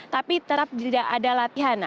tapi tetap tidak ada latihan